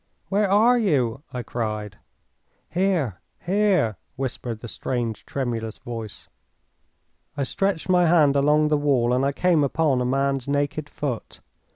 "Where are you?" I cried. "Here! Here!" whispered the strange, tremulous voice. I stretched my hand along the wall and I came upon a man's naked foot.